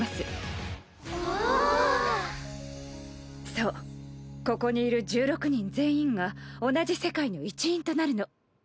そうここにいる１６人全員が同じ世界の一員となるの。